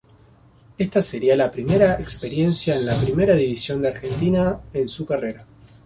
Esta sería la primera experiencia en la Primera División de Argentina en su carrera.